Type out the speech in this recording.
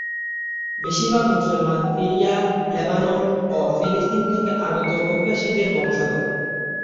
বেশিরভাগ মুসলমান Syria, Lebanon ও ফিলিস্তিন থেকে আগত অভিবাসীদের বংশধর।